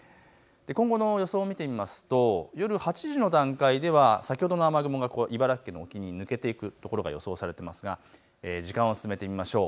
今後の予想を見てみますと夜８時の段階では先ほどの雨雲が茨城県の沖に抜けていくことが予想されますが時間を進めてみましょう。